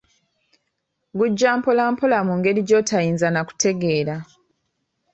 Gujja mpolampola mungeri gy'otayinza na kutegeera.